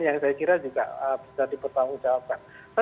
yang saya kira juga bisa dipertanggungjawabkan